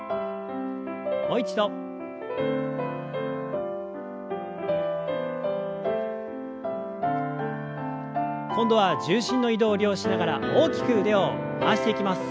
もう一度。今度は重心の移動を利用しながら大きく腕を回していきます。